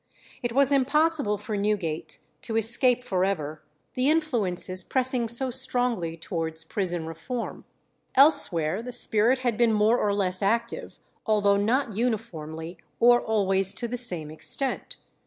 It was impossible for Newgate to escape for ever the influences pressing so strongly towards prison reform. Elsewhere the spirit had been more or less active, although not uniformly or always to the same extent.